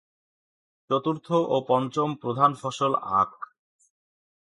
চতুর্থ ও পঞ্চম প্রধান ফসল আখ।